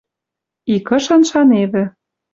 Икышын шаневӹ.